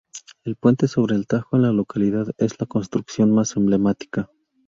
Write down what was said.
El puente sobre el Tajo en la localidad es la construcción más emblemática.